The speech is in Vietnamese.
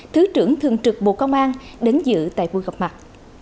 thứ trưởng thường trực bộ công an đến giữ tại cuộc gặp mặt